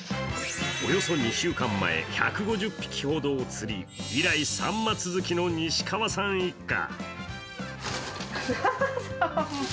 およそ２週間前、１５０匹ほどを釣り以来、さんま続きの西川さん一家。